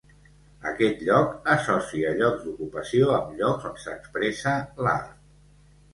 Aquest lloc associa llocs d'ocupació amb llocs on s'expressa l'art.